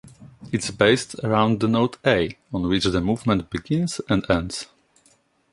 It is based around the note A, on which the movement begins and ends.